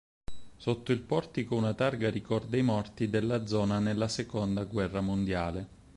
Sotto il portico una targa ricorda i morti della zona nella seconda guerra mondiale.